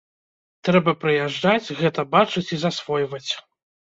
Трэба прыязджаць, гэта бачыць і засвойваць.